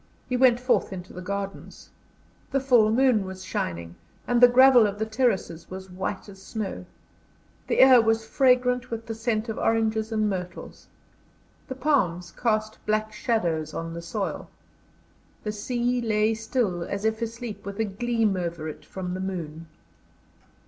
He went forth into the gardens. The full moon was shining, and the gravel of the terraces was white as snow. The air was fragrant with the scent of oranges and myrtles. The palms cast black shadows on the soil. The sea lay still as if asleep, with a gleam over it from the moon.